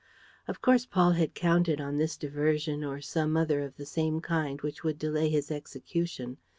Of course, Paul had counted on this diversion or some other of the same kind which would delay his execution.